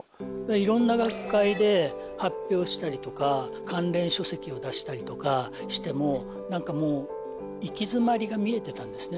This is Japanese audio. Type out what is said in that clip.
いろんな学会で発表したりとか関連書籍を出したりとかしても何かもう行き詰まりが見えてたんですね。